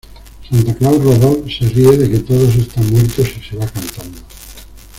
Santa Claus Robot se ríe de que todos están muertos y se va cantando.